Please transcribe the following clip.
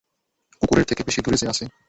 কুকুরের থেকে বেশি দূরে যে আছে।